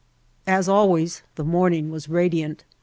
As always, the morning was radiant.